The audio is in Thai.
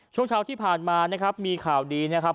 ช่วงเช้าที่ผ่านมานะครับมีข่าวดีนะครับ